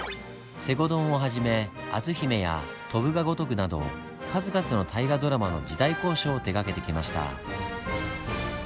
「西郷どん」をはじめ「篤姫」や「翔ぶが如く」など数々の大河ドラマの時代考証を手がけてきました。